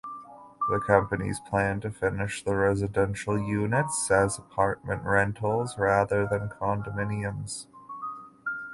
The companies planned to finish the residential units as apartment rentals rather than condominiums.